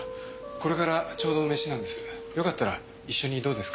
これからちょうど飯なんです。